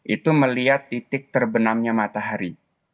itu melihat titik terbenamnya matahari